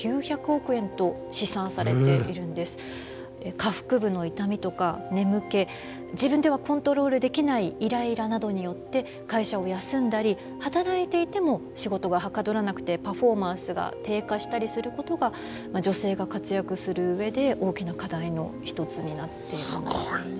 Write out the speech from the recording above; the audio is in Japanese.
下腹部の痛みとか眠気自分ではコントロールできないイライラなどによって会社を休んだり働いていても仕事がはかどらなくてパフォーマンスが低下したりすることが女性が活躍する上で大きな課題の一つになっているんですよね。